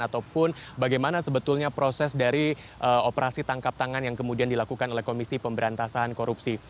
ataupun bagaimana sebetulnya proses dari operasi tangkap tangan yang kemudian dilakukan oleh komisi pemberantasan korupsi